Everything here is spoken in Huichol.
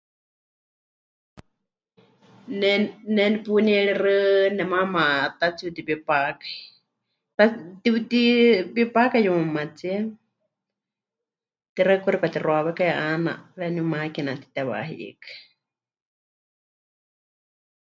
Ne, ne nepunieríxɨ nemaama pɨtatsi'utiwipákai, pɨta... pɨtiutiwipákai yumamatsíe, ke pai kuxi pɨkatixuawékai 'aana xeeníu máquina mɨtitewá hiikɨ.